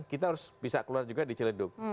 kita harus bisa keluar juga di ciledug